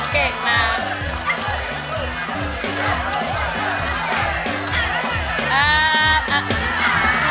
เก่งมาก